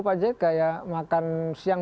pak jk kayak makan siang